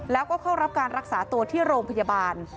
แล้วก็เข้ารับการรักษาตัวที่โรงพยาบาล